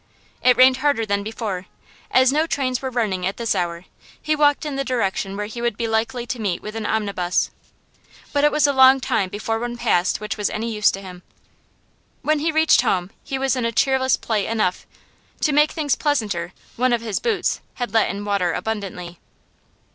It rained harder than before. As no trains were running at this hour, he walked in the direction where he would be likely to meet with an omnibus. But it was a long time before one passed which was any use to him. When he reached home he was in cheerless plight enough; to make things pleasanter, one of his boots had let in water abundantly.